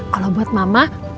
kalau buat mama